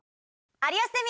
『有吉ゼミ』。